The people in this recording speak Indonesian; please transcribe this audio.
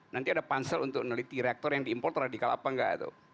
nanti ada pansel untuk meneliti rektor yang diimpor radikal apa enggak